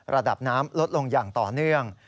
ระดับน้ำลดลงอย่างต่อเนื่อง